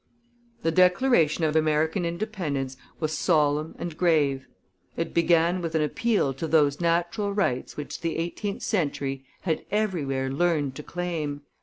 The declaration of American Independence was solemn and grave; it began with an appeal to those natural rights which the eighteenth century had everywhere learned to claim.